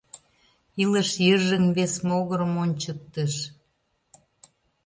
Илыш йыжыҥ вес могырым ончыктыш.